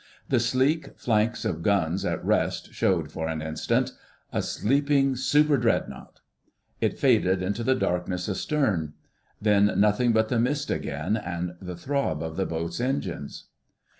The sleek flanks of guns at rest showed for an instant.... A sleeping "Super Dreadnought." It faded into the darkness astern; then nothing but the mist again, and the throb of the boat's engines.